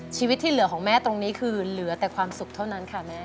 ชีวิตที่เหลือของแม่ตรงนี้คือเหลือแต่ความสุขเท่านั้นค่ะแม่